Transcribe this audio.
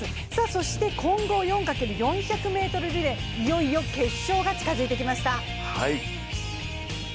そして、混合４×４００ｍリレーいよいよ決勝が近づいてきました。